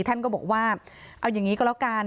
ท่านก็บอกว่าเอาอย่างนี้ก็แล้วกัน